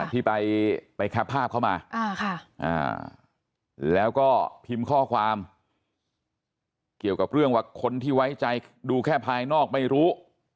ที่ไปแคปภาพเข้ามาแล้วก็พิมพ์ข้อความเกี่ยวกับเรื่องว่าคนที่ไว้ใจดูแค่ภายนอกไม่รู้